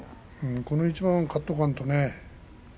この一番勝っとかんとね。